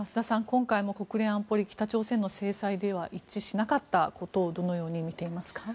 今回も国連安保理北朝鮮の制裁では一致しなかったことをどのように見ていますか？